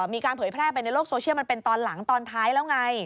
เผยแพร่ไปในโลกโซเชียลมันเป็นตอนหลังตอนท้ายแล้วไง